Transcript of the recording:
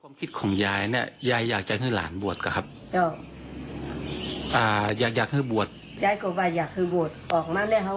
อันที่เจ้าทำนั่นบวชเต้องงบวชปนวาดมานี่นั่น